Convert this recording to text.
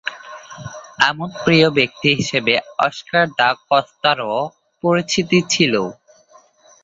আমোদপ্রিয় ব্যক্তি হিসেবে অস্কার দা কস্তা’র পরিচিতি ছিল।